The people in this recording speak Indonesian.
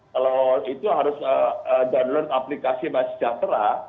kalau itu harus download aplikasi mas jaffra